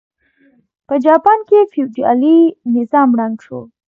په جاپان کې فیوډالي نظام ړنګ شو.